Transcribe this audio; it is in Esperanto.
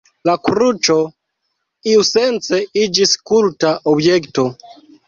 La kruĉo iusence iĝis kulta objekto.